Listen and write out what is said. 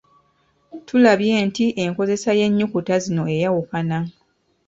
Tulabye nti enkozesa y'ennyukuta zino eyawukana.